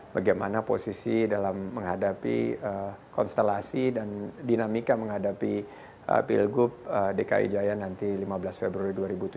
bagaimana posisi dalam menghadapi konstelasi dan dinamika menghadapi pilgub dki jaya nanti lima belas februari dua ribu tujuh belas